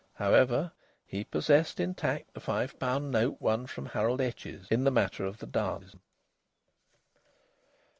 However, he possessed intact the five pound note won from Harold Etches in the matter of the dance.